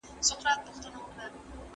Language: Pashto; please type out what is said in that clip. که مینه وي نو ځورونه نه وي.